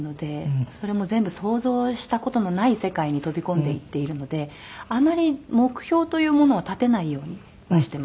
それも全部想像した事のない世界に飛び込んでいっているのであまり目標というものは立てないようにはしてます。